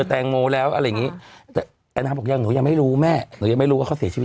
แตงโมแล้วอะไรอย่างงี้แต่แอนนาบอกยังหนูยังไม่รู้แม่หนูยังไม่รู้ว่าเขาเสียชีวิต